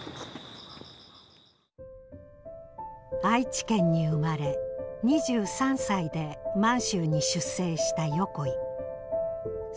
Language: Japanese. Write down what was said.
愛知県に生まれ２３歳で満州に出征した横井。